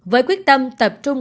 với quyết tâm tập trung